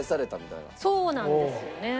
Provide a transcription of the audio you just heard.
そうなんですよね。